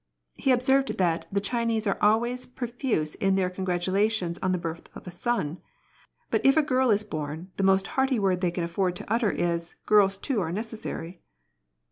He observed that " the Chinese are always profuse in their congratulations on the birth of a son ; but if a girl is born, the most hearty word they can afford to utter is, ^ girls too are necessary.'